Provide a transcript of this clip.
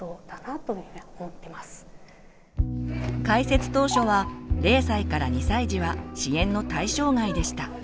開設当初は０歳から２歳児は支援の対象外でした。